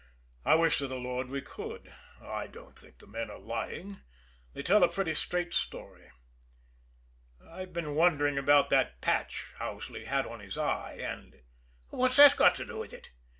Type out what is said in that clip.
"I wish to the Lord we could. I don't think the men are lying they tell a pretty straight story. I've been wondering about that patch Owsley had on his eye, and " "What's that got to do with it?"